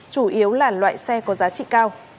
chủ yếu là loại xe có giá trị cao